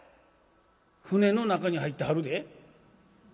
「船の中に入ってはるで？」。